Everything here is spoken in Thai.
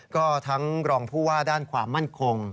ก็ทั้งรองผู้ว่าด้านความมั่นคง